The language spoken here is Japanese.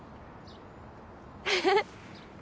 フフッ！